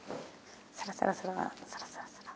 サラサラサラサラサラサラ。